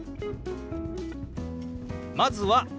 まずは「私」。